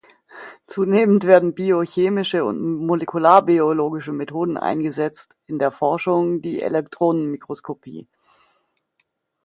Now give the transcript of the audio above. Zunehmend werden biochemische und molekularbiologische Methoden eingesetzt, in der Forschung die Elektronenmikroskopie.